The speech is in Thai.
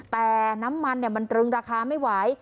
แต่น้ำมันมันตรึงราคาไม่ไหว